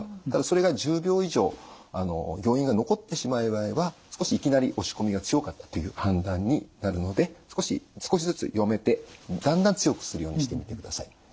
ただそれが１０秒以上余韻が残ってしまう場合は少しいきなり押し込みが強かったという判断になるので少し少しずつ弱めてだんだん強くするようにしてみてください。